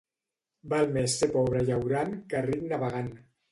Val més ser pobre llaurant que ric navegant.